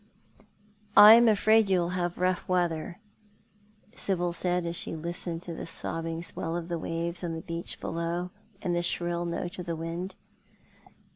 "I'm afraid you'll have rough weather," Sibyl said, as she listened to the sobbing swell of the waves on the beach below, and the shrill note of the wind.